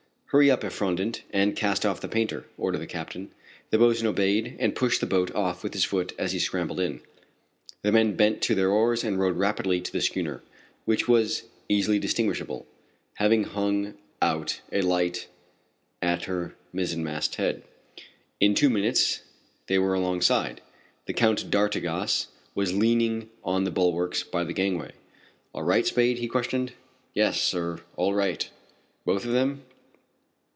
"Hurry up, Effrondat, and cast off the painter," ordered the captain. The boatswain obeyed, and pushed the boat off with his foot as he scrambled in. The men bent to their oars and rowed rapidly to the schooner, which was easily distinguishable, having hung out a light at her mizzenmast head. In two minutes they were alongside. The Count d'Artigas was leaning on the bulwarks by the gangway. "All right, Spade?" he questioned. "Yes, sir, all right!" "Both of them?"